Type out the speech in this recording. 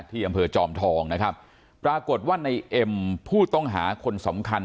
ที่อำเภอจอมทองนะครับปรากฏว่าในเอ็มผู้ต้องหาคนสำคัญ